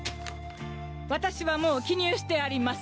私はもう記入してあります。